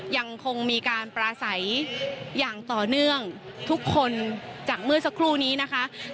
ยังคงมีการปราศัยอย่างต่อเนื่องทุกคนจากเมื่อสักครู่นี้นะคะ